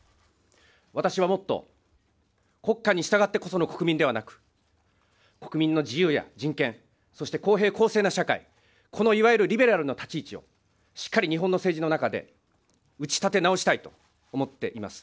私はもっと国家に従ってこその国民ではなく、国民の自由や人権、そして公平公正な社会、このいわゆるリベラルの立ち位置を、しっかり日本の政治の中で、打ち立て直したいと思っています。